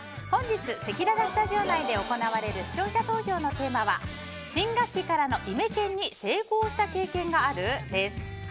本日、せきららスタジオ内で行われる視聴者投票のテーマは新学期からのイメチェンに成功した経験がある？です。